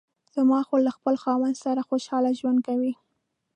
زما خور له خپل خاوند سره خوشحاله ژوند کوي